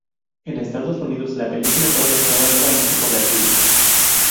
En Estados Unidos la película fue aplastada duramente por la crítica.